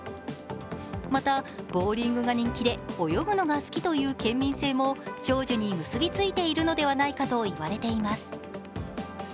また、ボウリングが人気で泳ぐのが好きという県民性も長寿に結びついているのではないかと言われています。